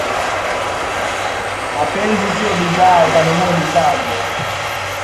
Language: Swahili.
Mapenzi sio bidhaa ukanunue dukani